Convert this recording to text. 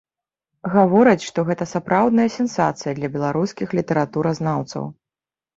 Гавораць, што гэта сапраўдная сенсацыя для беларускіх літаратуразнаўцаў.